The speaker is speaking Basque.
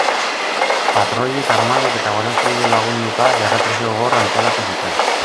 Patroiek, armadak eta Guardia Zibilek lagunduta, errepresio gogorra antolatu zuten.